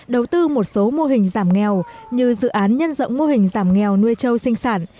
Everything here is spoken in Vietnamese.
đầu tư một số mô hình giảm nghèo như dự án nhân rộng mô hình giảm nghèo nuôi trâu sinh sản